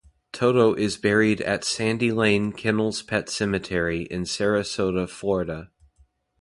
Toto is buried at "Sandy Lane" Kennels Pet Cemetery in Sarasota, Florida.